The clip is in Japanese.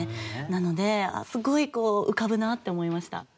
なのでああすごい浮かぶなって思いました。